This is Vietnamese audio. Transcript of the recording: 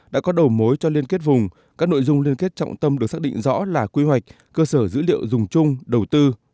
đã có đầu mối cho liên kết vùng các nội dung liên kết trọng tâm được xác định rõ là quy hoạch cơ sở dữ liệu dùng chung đầu tư